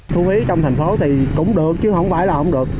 thu phí trong thành phố thì cũng được chứ không phải là không được